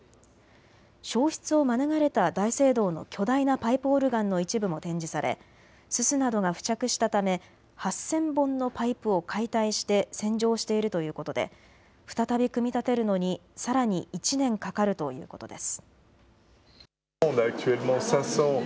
焼失を免れた大聖堂の巨大なパイプオルガンの一部も展示されすすなどが付着したため８０００本のパイプを解体して洗浄しているということで再び組み立てるのにさらに１年かかるということです。